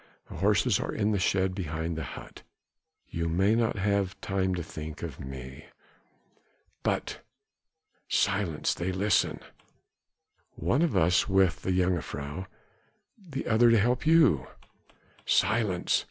the horses are in the shed behind the hut ... you may not have time to think of me." "But...." "Silence they listen...." "One of us with the jongejuffrouw the other to help you " "Silence